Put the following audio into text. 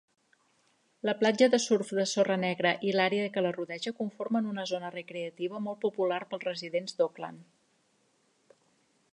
La platja de surf de sorra negra i l"àrea que la rodeja conformen una zona recreativa molt popular pels residents d"Auckland.